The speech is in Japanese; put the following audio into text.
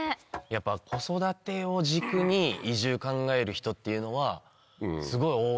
やっぱ子育てを軸に移住考える人っていうのはすごい多い。